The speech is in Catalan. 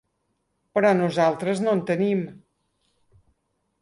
Però nosaltres no en tenim.